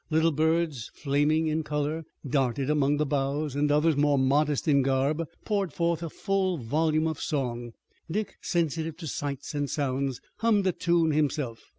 Little birds flaming in color darted among the boughs and others more modest in garb poured forth a full volume of song. Dick, sensitive to sights and sounds, hummed a tune himself.